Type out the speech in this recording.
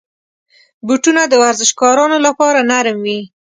بوټونه د ورزشکارانو لپاره نرم وي.